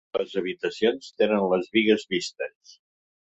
Les habitacions tenen les bigues vistes.